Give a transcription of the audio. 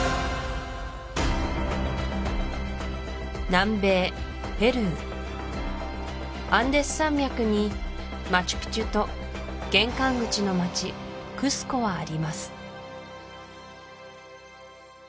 南米ペルーアンデス山脈にマチュピチュと玄関口の町クスコはあります